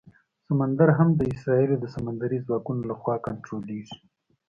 سمندر هم د اسرائیلو د سمندري ځواکونو لخوا کنټرولېږي.